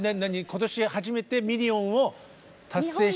今年初めてミリオンを達成した。